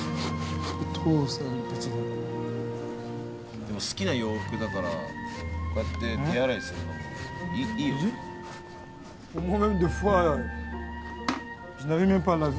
でも好きな洋服だからこうやって手洗いするのもいいよね。